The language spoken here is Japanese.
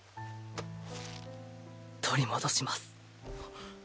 取り戻します。